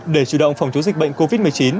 để chủ động phòng chống dịch bệnh covid một mươi chín